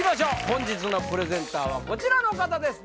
本日のプレゼンターはこちらの方です